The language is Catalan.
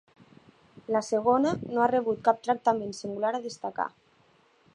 La segona no ha rebut cap tractament singular a destacar.